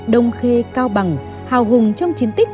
đông khê cao bằng hào hùng trong chiến tích